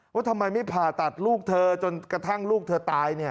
ว่าทำไมไม่ผ่าตัดลูกเธอจนกระทั่งลูกเธอตาย